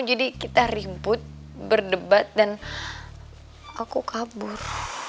jadi kita ribut berdebat dan aku kabur